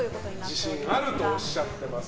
自信があるとおっしゃっていますが。